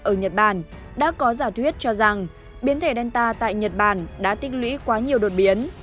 ở nhật bản đã có giả thuyết cho rằng biến thể delta tại nhật bản đã tích lũy quá nhiều đột biến